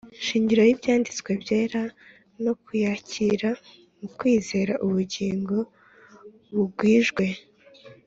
shingiro y'Ibyanditswe Byera no kuyakira mu kwizeraUbugingo Bugwijwe,